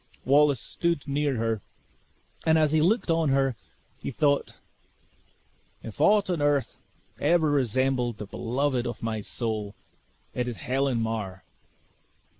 Wallace stood near her, and as he looked on her, he thought, "If aught on earth ever resembled the beloved of my soul, it is Helen Mar!"